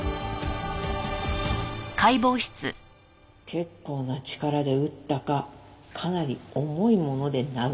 結構な力で打ったかかなり重いもので殴られたか。